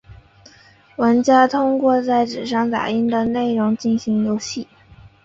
玩家通过在纸上打印的内容进行游戏。